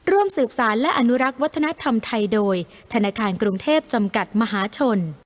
ร่วมสืบสารและอนุรักษ์วัฒนธรรมไทยโดยธนาคารกรุงเทพจำกัดมหาชน